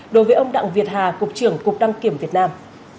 đối với ông đặng việt hà cục trưởng cục đăng kiểm việt nam